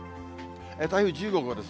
台風１５号です。